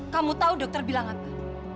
kamu tahu dokter bilang apa